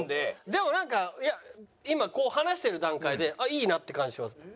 でもなんか今こう話してる段階であっいいなって感じしますね。